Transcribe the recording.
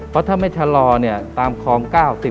เพราะถ้าไม่ชะลอตามคอง๙๑๐๑๑๑๒๑๓๑๔